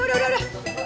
udah udah udah